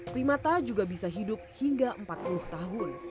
primata juga bisa hidup hingga empat puluh tahun